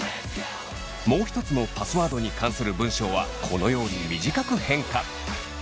もう一つのパスワードに関する文章はこのように短く変化！